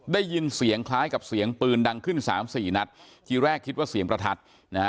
ได้ยินเสียงคล้ายกับเสียงปืนดังขึ้นสามสี่นัดทีแรกคิดว่าเสียงประทัดนะฮะ